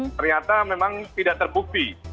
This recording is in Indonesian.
ternyata memang tidak terbukti